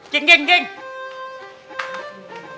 cik cik cik